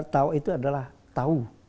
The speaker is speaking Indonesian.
tau itu adalah tahu